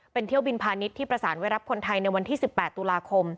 เป็นเที่ยวบินพาณิชย์ที่ประสานไว้รับคนไทยในวันที่๑๘ตุลาคม